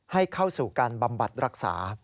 ให้เข้าสู่การบำบัดรักษา